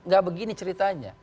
gak begini ceritanya